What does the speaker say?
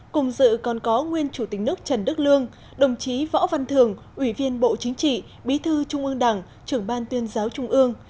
cùng dự còn có nguyên chủ tịch nước trần đức lương đồng chí võ văn thường ủy viên bộ chính trị bí thư trung ương đảng trưởng ban tuyên giáo trung ương